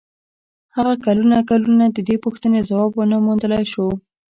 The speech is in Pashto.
هغه کلونه کلونه د دې پوښتنې ځواب و نه موندلای شو.